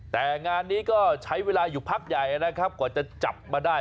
แต่งานนี้ก็ใช้เวลาอยู่พักใหญ่นะครับกว่าจะจับมาได้